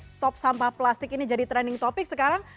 stop sampah plastik ini jadi trending topic sekarang